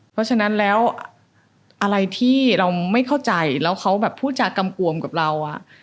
เพราะฉะนั้นแล้วอะไรที่เราไม่เข้าใจแล้วเขาแบบพูดจากกำกวมกับเรา